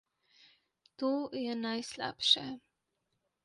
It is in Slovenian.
To je najslabše.